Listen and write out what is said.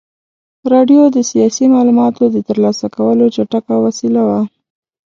راډیو د سیاسي معلوماتو د ترلاسه کولو چټکه وسیله وه.